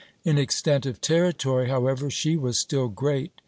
In extent of territory, however, she was still great.